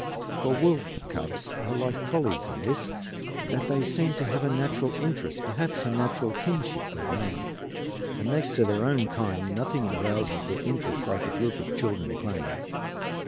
For wolf cubs are like collies in this, that they seem to have a natural interest, perhaps a natural kinship with man, and next to their own kind nothing arouses their interest like a group of children playing.